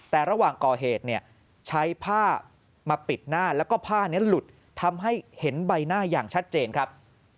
แต่ระหว่างก่อเหตุเนี่ยใช้ผ้ามาปิดหน้าแล้วก็ผ้านี้หลุดทำให้เห็นใบหน้าอย่างชัดเจนครับ